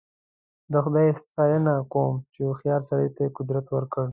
د خدای ستاینه کوم چې هوښیار سړي ته قدرت ورکړ.